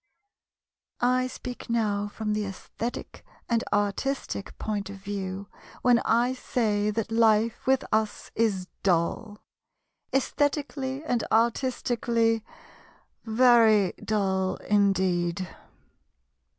I speak now from the aesthetic and artistic point of view when I say that life with us is dull; aesthetically and artistically, very dull indeed.